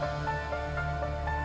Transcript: jangan lupa untuk berlangganan